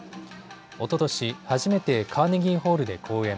おととし、初めてカーネギーホールで公演。